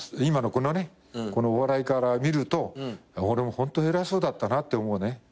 今のこのねお笑いから見ると俺もホント偉そうだったなって思うね。